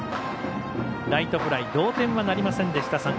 ライトフライ同点はなりませんでした。